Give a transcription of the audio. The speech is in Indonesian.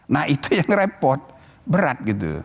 nah itu yang repot berat gitu